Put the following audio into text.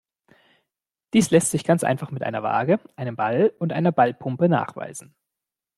Dies lässt sich ganz einfach mit einer Waage, einem Ball und einer Ballpumpe nachweisen.